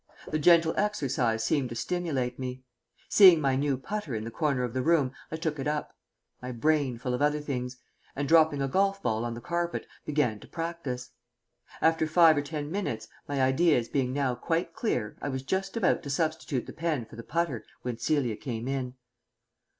The gentle exercise seemed to stimulate me. Seeing my new putter in the corner of the room, I took it up (my brain full of other things) and, dropping a golf ball on the carpet, began to practise. After five or ten minutes, my ideas being now quite clear, I was just about to substitute the pen for the putter when Celia came in.